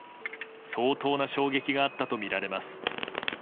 相当な衝撃があったとみられます。